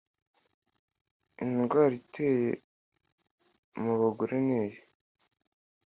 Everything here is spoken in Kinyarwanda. indwara iteye mu bagore niyi